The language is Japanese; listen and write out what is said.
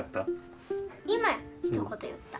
今ひと言言った。